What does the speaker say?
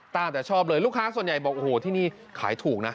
ตามแต่ชอบเลยลูกค้าส่วนใหญ่บอกโอ้โหที่นี่ขายถูกนะ